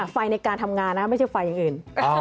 ไฟในการทำงานนะไม่ใช่ไฟอย่างอื่น